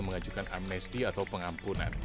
mengajukan amnesti atau pengampunan